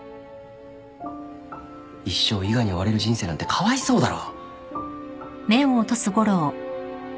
一生伊賀に追われる人生なんてかわいそうだろ。